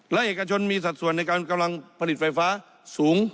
และเอกชนมีสัดส่วนในการกำลังผลิตไฟฟ้าสูง